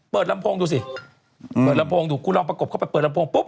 ลำโพงดูสิเปิดลำโพงดูคุณลองประกบเข้าไปเปิดลำโพงปุ๊